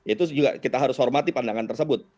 itu juga kita harus hormati pandangan tersebut